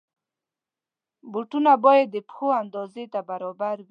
بوټونه باید د پښو اندازې ته برابر وي.